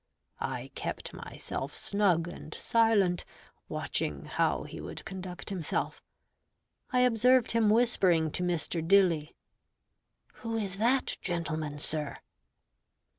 I kept myself snug and silent, watching how he would conduct himself. I observed him whispering to Mr. Dilly, "Who is that gentleman, sir?"